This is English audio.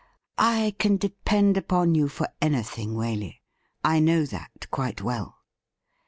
' I can depend upon you for anything, Waley — I know that quite well.'